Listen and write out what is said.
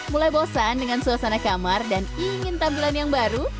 mulai bosan dengan suasana kamar dan ingin tampilan yang baru